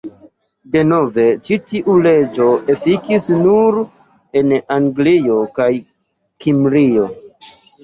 Denove, ĉi tiu leĝo efikis nur en Anglio kaj Kimrio.